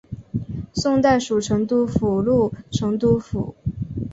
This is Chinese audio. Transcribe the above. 宋代属成都府路成都府。